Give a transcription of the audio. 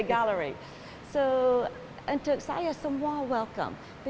jadi untuk saya semua selamat